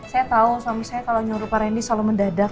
saya tahu suami saya kalau nyuruh pak randy selalu mendadak